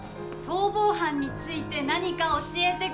逃亡犯について何か教えて下さい。